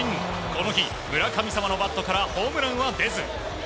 この日、村神様のバットからホームランは出ず。